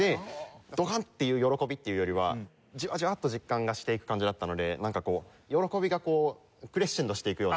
ドカン！っていう喜びっていうよりはじわじわっと実感がしていく感じだったのでなんか喜びがこうクレッシェンドしていくような。